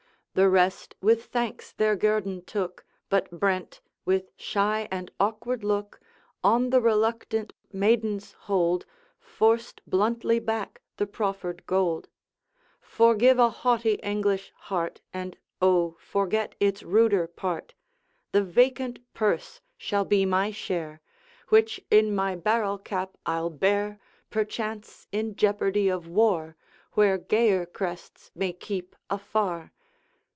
The rest with thanks their guerdon took, But Brent, with shy and awkward look, On the reluctant maiden's hold Forced bluntly back the proffered gold: 'Forgive a haughty English heart, And O, forget its ruder part! The vacant purse shall be my share, Which in my barrel cap I'll bear, Perchance, in jeopardy of war, Where gayer crests may keep afar.'